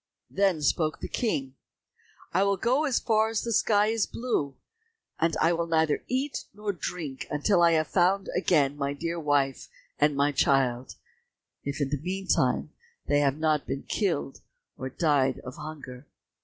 Then spoke the King, "I will go as far as the sky is blue, and will neither eat nor drink until I have found again my dear wife and my child, if in the meantime they have not been killed, or died of hunger."